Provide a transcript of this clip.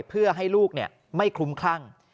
เพื่อให้ลูกไม่คลุ้มคลั่ง